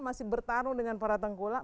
masih bertarung dengan para tengkulak